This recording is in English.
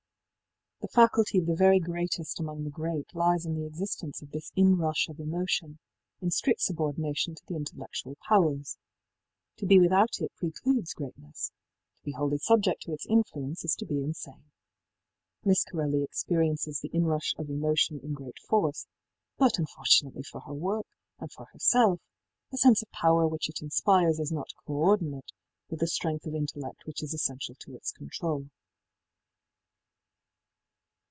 í The faculty of the very greatest among the great lies in the existence of this inrush of emotion, in strict subordination to the intellectual powers. To be without it precludes greatness; to be wholly subject to its influence is to be insane. Miss Corelli experiences the inrush of emotion in great force, but, unfortunately for her work, and for herself, the sense of power which it inspires is not co ordinate with the strength of intellect which is essential to its control.